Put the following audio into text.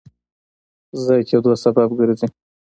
ضایع کېدو سبب ګرځي.